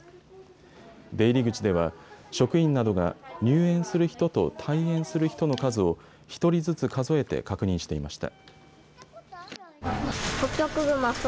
出入り口では職員などが入園する人と退園する人の数を１人ずつ数えて確認していました。